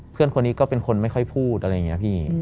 เพื่อนคนนี้ก็เป็นคนไม่ค่อยพูดอะไรอย่างนี้พี่